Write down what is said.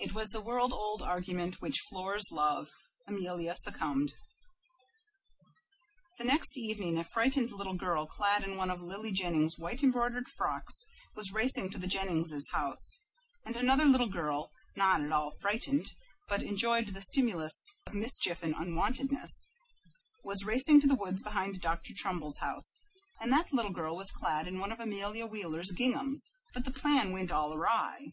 It was the world old argument which floors love. Amelia succumbed. The next evening a frightened little girl clad in one of Lily Jennings's white embroidered frocks was racing to the Jenningses' house, and another little girl, not at all frightened, but enjoying the stimulus of mischief and unwontedness, was racing to the wood behind Dr. Trumbull's house, and that little girl was clad in one of Amelia Wheeler's ginghams. But the plan went all awry.